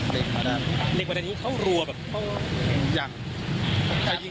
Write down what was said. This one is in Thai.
เล็กมาด้าน